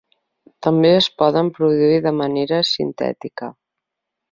També es poden produir de manera sintètica.